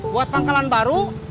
buat pangkalan baru